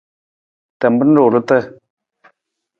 Tamar ruurta.